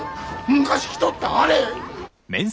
昔着とったあれ！